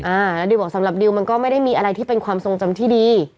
อ่าแล้วดิวบอกสำหรับดิวมันก็ไม่ได้มีอะไรที่เป็นความทรงจำที่ดี